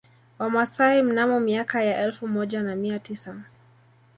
Wamasai mnamo miaka ya elfu moja na mia tisa